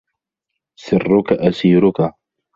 سرك أسيرك